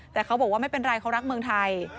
แต่เขาบอกว่าไม่เป็นไรเขารักเมืองไทย